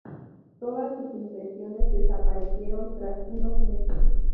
Todas sus impresiones desaparecieron tras unos meses.